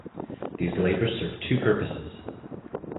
These labors served two purposes.